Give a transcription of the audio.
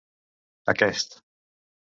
Aquest